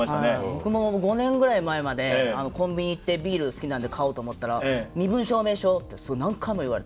僕も５年ぐらい前までコンビニ行ってビール好きなんで買おうと思ったら「身分証明書！」ってすごい何回も言われて。